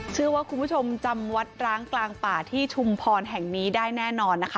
เชื่อว่าคุณผู้ชมจำวัดร้างกลางป่าที่ชุมพรแห่งนี้ได้แน่นอนนะคะ